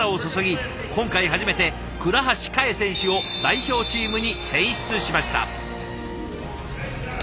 今回初めて倉橋香衣選手を代表チームに選出しました。